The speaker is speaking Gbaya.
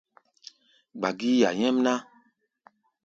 Gba gíí ya nyɛ́mná!